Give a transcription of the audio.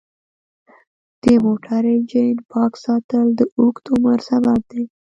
د موټر انجن پاک ساتل د اوږد عمر سبب دی.